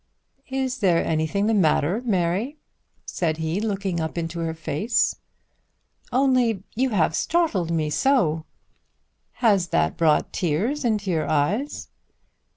"Is there anything the matter, Mary?" said he, looking up into her face. "Only you have startled me so." "Has that brought tears into your eyes?"